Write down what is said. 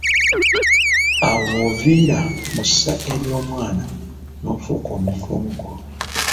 Awo woviira mu ssa ery'omwana nofuuka omuntu omukulu.